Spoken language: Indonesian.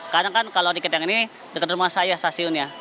karena kan kalau tiket yang ini deket rumah saya stasiunnya